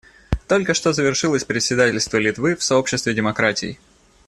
Только что завершилось председательство Литвы в Сообществе демократий.